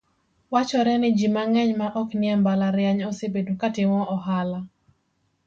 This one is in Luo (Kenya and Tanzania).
Wachore ni ji mang'eny ma ok nie mbalariany, osebedo ka timo ohala